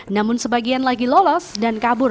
namun sebagian lagi lolos dan kabur